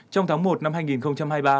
trong tháng một năm hai nghìn hai mươi ba